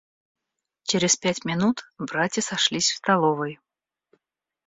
Через пять минут братья сошлись в столовой.